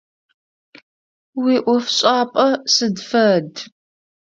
Уиӏофшӏапӏэ сыд фэд?